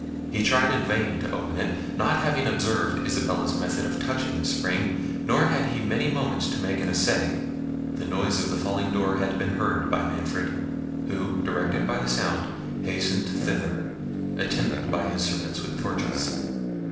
He tried in vain to open it, not having observed Isabella's method of touching the spring; nor had he many moments to make an essay. The noise of the falling door had been heard by Manfred, who, directed by the sound, hastened thither, attended by his servants with torches.